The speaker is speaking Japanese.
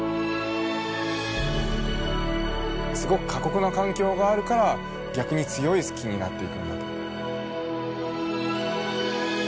すごく過酷な環境があるから逆に強い木になっていくんだと。